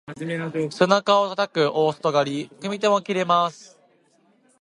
背中をたたく大外刈り、組み手も切れます。